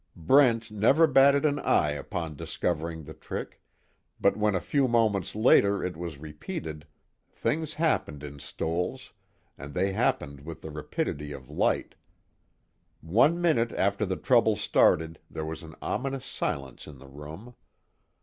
Brent never batted an eye upon discovering the trick, but when a few moments later it was repeated, things happened in Stoell's and they happened with the rapidity of light. One minute after the trouble started there was an ominous silence in the room.